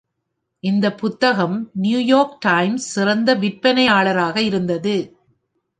இந்த புத்தகம் "New York Times" சிறந்த விற்பனையாளராக இருந்தது.